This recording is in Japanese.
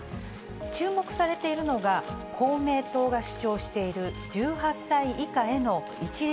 注目されているのが、公明党が主張している１８歳以下への一律